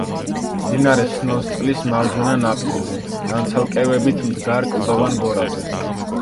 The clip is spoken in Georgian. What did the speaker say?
მდინარე სნოსწყლის მარჯვენა ნაპირზე, განცალკევებით მდგარ კლდოვან გორაზე.